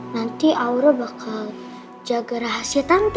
nanti aura bakal jaga rahasia